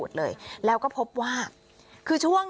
นี่คนลุกมันหยาบจริง